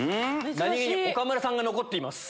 何げに岡村さんが残っています。